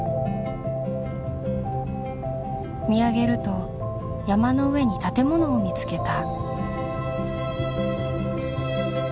見上げると山の上に建物を見つけた。